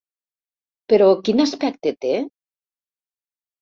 Però quin aspecte té?